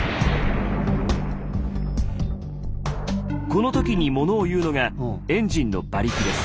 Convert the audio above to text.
この時にものを言うのがエンジンの馬力です。